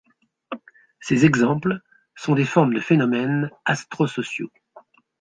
Ces exemples sont des formes de phénomènes astrosociaux.